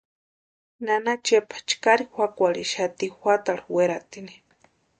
Nana Chepa chkari juakwarhixati juatarhu weratini.